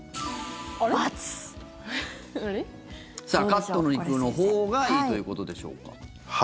カットの肉のほうがいいということでしょうか。